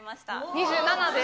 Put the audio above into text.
２７です。